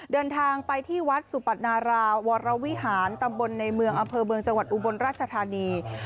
เดินทางไปที่วัดสุปัตนาราวรวิหารตำบลในเมืองอำเภอเมืองจังหวัดอุบลราชธานี